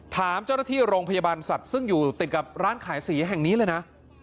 ถามเจ้าหน้าที่โรงพยาบาลสัตว์ซึ่งอยู่ติดกับร้านขายสีแห่งนี้เลยนะ